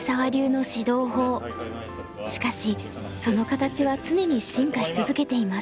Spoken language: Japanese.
しかしその形は常に進化し続けています。